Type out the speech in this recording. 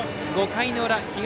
５回の裏東